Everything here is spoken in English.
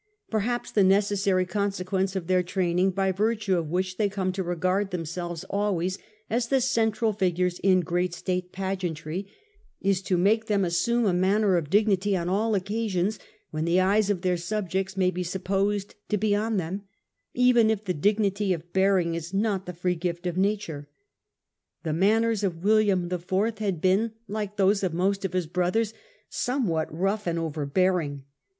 Perhaps the necessary consequence of their training, by virtue of ■which they come to regard themselves always as the central figures in great state pageantry, is to make them assume a manner of dignity on all occasions when the eyes of their sub jects may be supposed to be on them, even if the dignity of bearing is not the free gift of nature. The manners of William IY. had been, like those of most of his brothers, somewhat rough and overbearing.